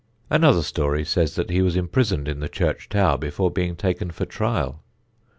Another story says that he was imprisoned in the church tower before being taken for trial.